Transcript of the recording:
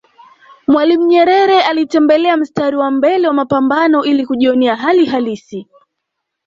Mwalimu Nyerere alitembelea mstari wa mbele wa mapambano ili kujjionea hali halisi